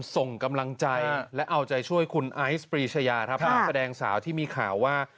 ส่งกำลังใจและเอาใจช่วยคุณไอ้ส์ปรีชยาที่มีข่าวว่า